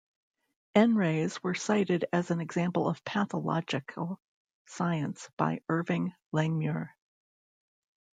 N rays were cited as an example of pathological science by Irving Langmuir.